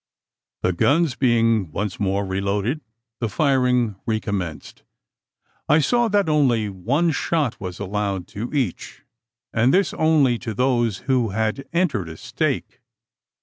The guns being once more reloaded, the firing recommenced, I saw that only one shot was allowed to each; and this only to those who had entered a stake.